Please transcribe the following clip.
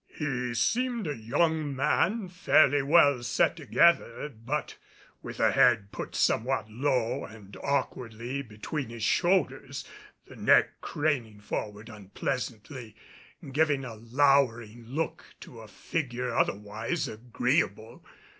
He seemed a young man fairly well set together, but with a head put somewhat low and awkwardly between his shoulders, the neck craning forward unpleasantly, giving a lowering look to a figure otherwise agreeable.